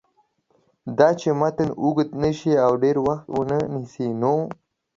داچې متن اوږد نشي او ډېر وخت ونه نیسي نو